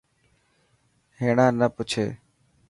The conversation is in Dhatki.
هيڻا نه پڇي.